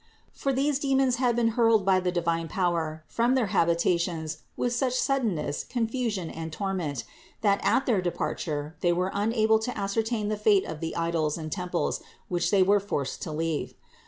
For these demons had been hurled by the divine power from THE INCARNATION 555 their habitations with such suddenness, confusion and torment that at their departure they were unable to ascer tain the fate of the idols and temples which they were forced to leave.